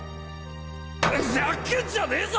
ざけんじゃねぞ！